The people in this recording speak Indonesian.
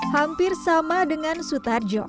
hampir sama dengan sutarjo